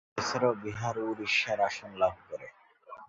এছাড়াও বিহার ও উড়িষ্যার আসন লাভ করে।